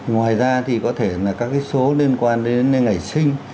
ngoài ra thì có thể là các số liên quan đến ngày sinh